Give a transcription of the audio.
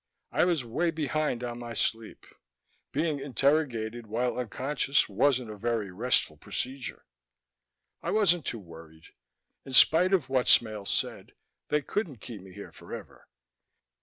I was way behind on my sleep: being interrogated while unconscious wasn't a very restful procedure. I wasn't too worried. In spite of what Smale said, they couldn't keep me here forever.